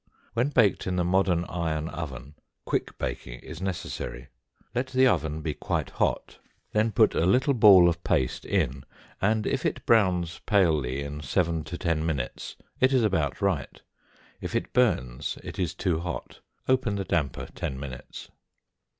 When baked in the modern iron oven, quick baking is necessary. Let the oven be quite hot, then put a little ball of paste in, and if it browns palely in seven to ten minutes it is about right; if it burns, it is too hot; open the damper ten minutes.